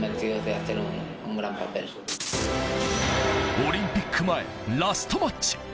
オリンピック前、ラストマッチ。